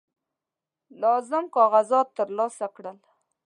لازم کاغذات ترلاسه کړل.